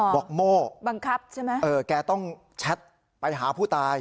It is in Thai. อ๋อบอกโม้บังคับใช่มั้ยเออแกต้องแชทไปหาผู้ตาย